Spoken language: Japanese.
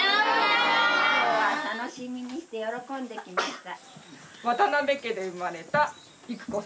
今日は楽しみにして喜んで来ました。